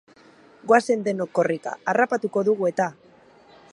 Goazen denok korrika, harrapatuko dugu eta!